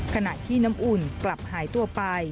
ขณะที่น้ำอุ่นกลับหายตัวไป